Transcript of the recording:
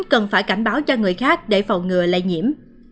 cần phải cảnh báo cho người khác để phòng ngừa lây nhiễm